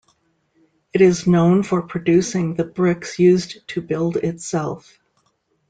It is known for producing the bricks used to build itself.